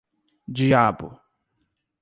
Diabo!